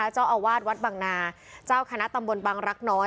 เจ้าอาวาสวัดบังนาเจ้าคณะตำบลบังรักน้อย